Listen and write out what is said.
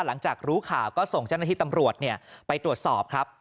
หลังจากรู้ข่าวก็ส่งเจ้าหน้าที่ตำรวจไปตรวจสอบครับ